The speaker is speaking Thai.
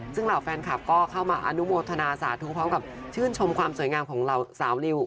ซึ่งเหล่าแฟนคลับก็เข้ามาอนุโมทนาสาธุพร้อมกับชื่นชมความสวยงามของเหล่าสาวริว